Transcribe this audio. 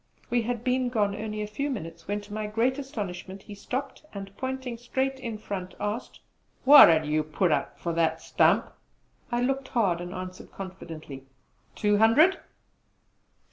We had been gone only a few minutes when to my great astonishment he stopped and pointing straight in front asked: "What 'ud you put up for that stump?" I looked hard, and answered confidently, "Two hundred!"